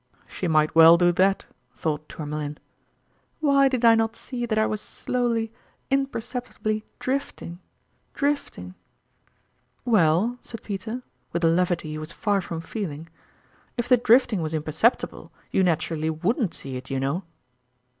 ("She might well do that," thought Tourmalin.) "Why did I not see that I was slowly, imperceptibly drifting drifting "" Well," said Peter, with a levity he was far from feeling, " if the drifting was impercepti ble, you naturally wouldn't see it, you know